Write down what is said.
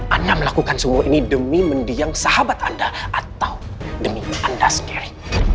anda melakukan semua ini demi mendiang sahabat anda atau demi anda sekali